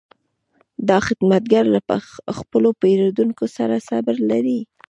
دا خدمتګر له خپلو پیرودونکو سره صبر لري.